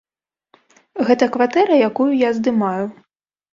Гэта кватэра, якую я здымаю.